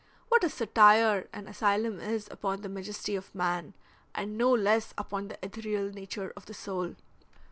What a satire an asylum is upon the majesty of man, and no less upon the ethereal nature of the soul."